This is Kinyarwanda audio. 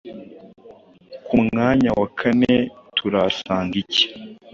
ku mwanya wa kane turahasanga iki